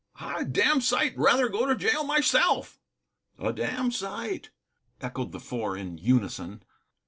"I'd a damned sight rather go to jail myself." "A damned sight," echoed the Four in unison.